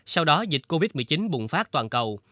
sau đó dịch covid một mươi chín bùng phát toàn cầu